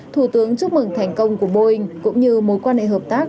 thủ tướng chúc mừng thành công của boeing cũng như mối quan hệ hợp tác